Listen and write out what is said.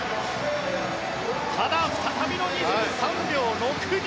ただ、再びの２３秒６２。